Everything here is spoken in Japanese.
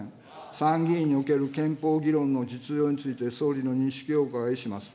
参議院における憲法議論の実情について、総理の認識をお伺いします。